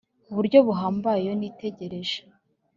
uburyo buhambaye Iyo nitegereje